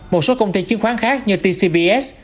một số công ty chứng khoán khác như tcbs